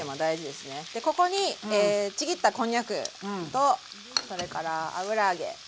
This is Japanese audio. でここにちぎったこんにゃくとそれから油揚げはい。